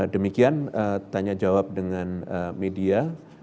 demikian tanya jawab dengan media